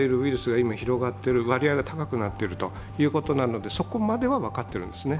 今広がっている割合が高くなっているということなので、そこまでは分かってるんです。